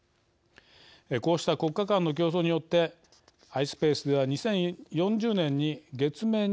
こうした国家間の競争によってｉｓｐａｃｅでは２０４０年に月面に１，０００人が暮らすと予測。